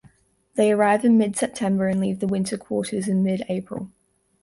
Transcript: They arrive in mid-September and leave the winter quarters in mid April.